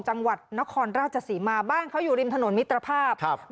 จังหวัดนครราชศรีมาบ้านเขาอยู่ริมถนนมิตรภาพครับ